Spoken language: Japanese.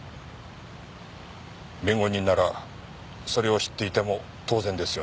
弁護人ならそれを知っていても当然ですよね。